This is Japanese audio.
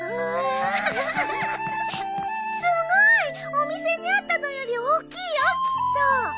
お店にあったのより大きいよきっと。